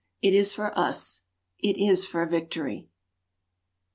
It is for us. It is for victory.